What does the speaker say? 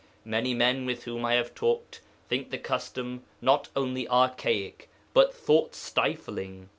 Many men with whom I have talked think the custom not only archaic, but thought stifling.